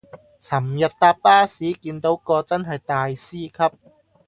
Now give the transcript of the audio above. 尋日搭巴士見到個真係大師級